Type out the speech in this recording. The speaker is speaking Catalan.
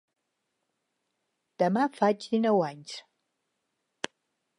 Demà faig dinou anys.